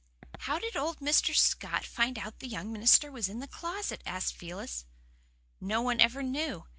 "How did old Mr. Scott find out the young minister was in the closet?" asked Felix. "Nobody ever knew.